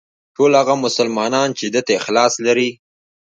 ټول هغه مسلمانان چې ده ته اخلاص لري.